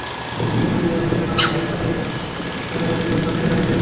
কয়েক দিন ধরে সেনাপ্রধান রাহিলের সঙ্গে তাঁর একাধিক বৈঠক সেটারই ইঙ্গিত দেয়।